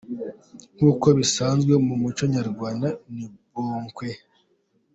Nk'uko bisanzwe mu muco nyarwanda, ni bonkwe!.